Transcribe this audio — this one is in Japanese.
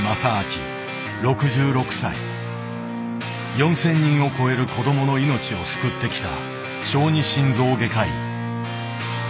４，０００人を超える子どもの命を救ってきた小児心臓外科医。